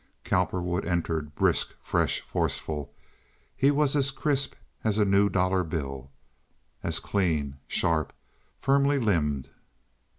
Cowperwood entered brisk, fresh, forceful. He was as crisp as a new dollar bill—as clean, sharp, firmly limned.